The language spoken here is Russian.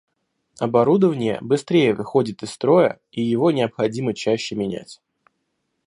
Оборудование быстрее выходит из строя и его необходимо чаще менять